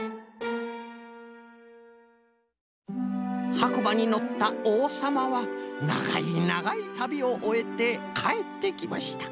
「はくばにのったおうさまはながいながいたびをおえてかえってきました。